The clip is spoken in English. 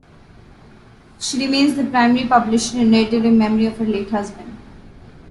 She remains the primary publisher and editor in memory of her late husband.